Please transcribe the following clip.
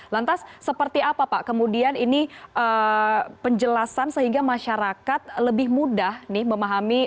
lantas seperti apa pak kemudian ini penjelasan sehingga masyarakat lebih mudah memahami